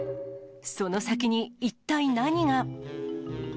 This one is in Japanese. その先に一体何が？